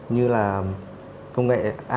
như là công nghệ